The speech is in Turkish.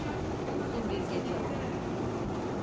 Uzun bir gece oldu.